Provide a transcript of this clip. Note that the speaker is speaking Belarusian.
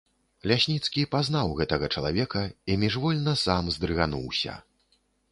Лясніцкі пазнаў гэтага чалавека і міжвольна сам здрыгануўся.